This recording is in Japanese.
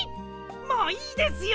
もういいですよ！